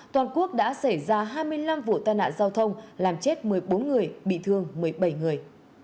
toàn quốc đã xảy ra hai mươi năm vụ tai nạn giao thông làm chết một mươi bốn người bị thương một mươi bảy người